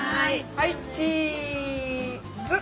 はいチーズ。